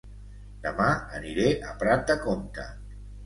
Dema aniré a Prat de Comte